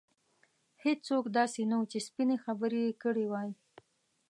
هېڅوک هم داسې نه وو چې سپینې خبرې یې کړې وای.